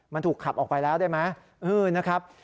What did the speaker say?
มันถูกขับออกไปแล้วได้ไหมนะครับ